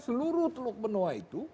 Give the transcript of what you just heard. seluruh teluk benoa itu